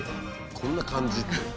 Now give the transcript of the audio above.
「こんな感じ」って。